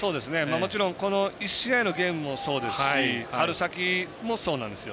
もちろん、この１試合のゲームもそうですし春先もそうなんですよ。